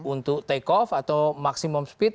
untuk take off atau maksimum speed